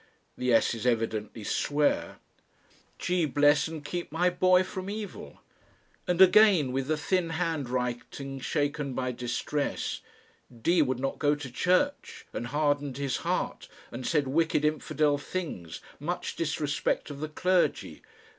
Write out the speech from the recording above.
The "s" is evidently "swear " "G. bless and keep my boy from evil." And again, with the thin handwriting shaken by distress: "D. would not go to church, and hardened his heart and said wicked infidel things, much disrespect of the clergy.